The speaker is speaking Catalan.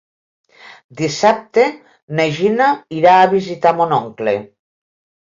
Dissabte na Gina irà a visitar mon oncle.